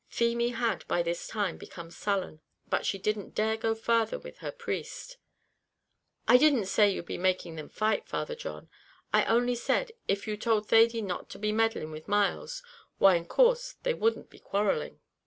Feemy had, by this time, become sullen, but she didn't dare go farther with her priest. "I didn't say you'd be making them fight, Father John. I only said, if you told Thady not to be meddling with Myles, why, in course, they wouldn't be quarrelling."